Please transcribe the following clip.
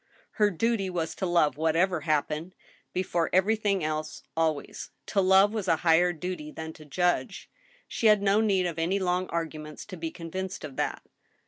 Her duty was to love, whatever happened, before everjrthing else, always. To love was a higher duty than to judge. She had no need of any long arguments to be convinced of that.